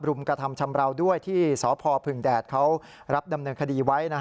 มกระทำชำราวด้วยที่สพพึ่งแดดเขารับดำเนินคดีไว้